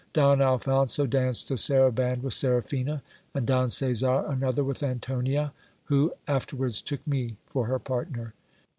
Don Alphonso danced a saraband with Seraphina, and Don Casar another with Antonia, who after wards took me for her partner.